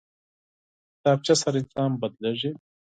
کتابچه سره انسان بدلېږي